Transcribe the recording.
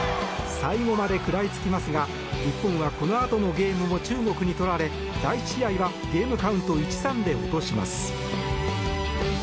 最後まで食らいつきますが日本はこのあとのゲームも中国に取られ、第１ゲームはゲームカウント１−３で落とします。